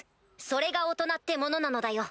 それが大人ってものなのだよ。